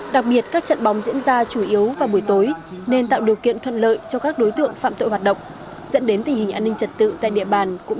đặc biệt các trận bóng diễn ra chủ yếu vào buổi tối nên tạo điều kiện thuận lợi cho các đối tượng phạm tội hoạt động